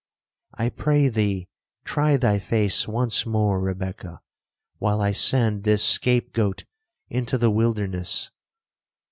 I pray thee try thy face once more, Rebekah, while I send this scape goat into the wilderness.